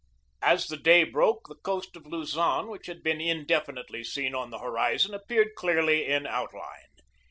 As the day broke the coast of Luzon, which had been indefinitely seen on the horizon, appeared clearly in outline.